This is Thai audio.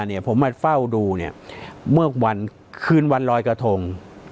เนี่ยผมมาเฝ้าดูเนี่ยเมื่อวันคืนวันรอยกระทง